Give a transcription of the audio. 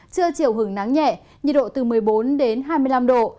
chưa chịu hứng nắng nhẹ nhiệt độ từ một mươi bốn đến hai mươi năm độ